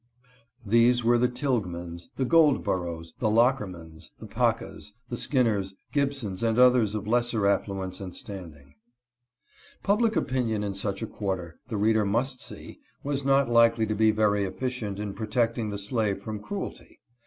These were the Tilgmans, the Gold 42 EXPERIENCE DURING CHILDHOOD. boroughs, the Lockermans, the Pacas, the Skinners, Gib sons, and others of lesser affluence and standing. Public opinion in such a quarter, the reader must see, was not likely to be very efficient in protecting the slave from cruelty.